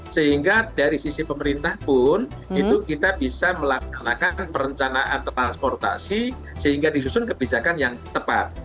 sehingga dari sisi pemerintah pun itu kita bisa melaksanakan perencanaan transportasi sehingga disusun kebijakan yang tepat